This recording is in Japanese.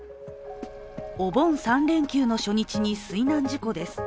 お盆３連休の初日に水難事故です。